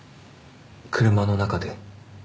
車の中で？